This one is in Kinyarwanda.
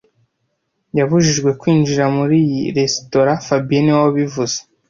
Yabujijwe kwinjira muri iyi resitora fabien niwe wabivuze